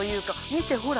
見てほら！